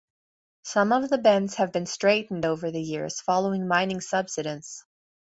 Some of the bends have been straightened over the years, following mining subsidence.